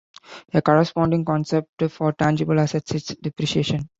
A corresponding concept for tangible assets is depreciation.